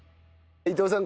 伊藤さん